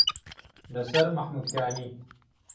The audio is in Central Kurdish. لە سەر مەحموودکانی